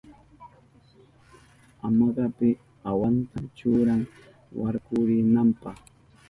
Hamakapi wawanta churan warkurinanpa.